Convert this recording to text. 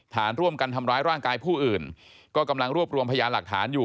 ฐานร่วมกันทำร้ายร่างกายผู้อื่นก็กำลังรวบรวมพยานหลักฐานอยู่